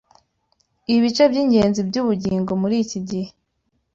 ibice byingenzi byubugingo muriki gihe